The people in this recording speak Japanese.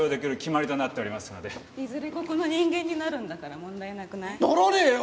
いずれここの人間になるんだから問題なくない？ならねえよ！